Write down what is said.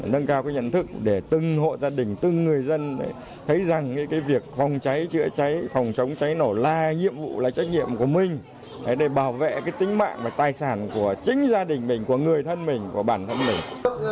nâng cao nhận thức để từng hộ gia đình từng người dân thấy rằng việc phòng cháy chữa cháy phòng chống cháy nổ là nhiệm vụ là trách nhiệm của mình để bảo vệ tính mạng và tài sản của chính gia đình mình của người thân mình của bản thân mình